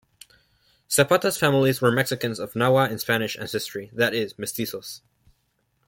Zapata's family were Mexicans of Nahua and Spanish ancestry, that is mestizos.